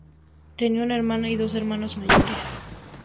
Tien una hermana y dos hermanos mayores.